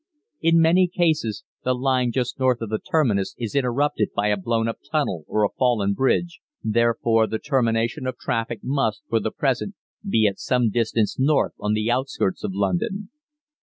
In many instances the line just north of the terminus is interrupted by a blown up tunnel or a fallen bridge, therefore the termination of traffic must, for the present, be at some distance north on the outskirts of London.